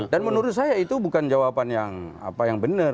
dan menurut saya itu bukan jawaban yang benar